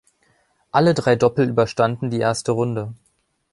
Alle drei Doppel überstanden die erste Runde.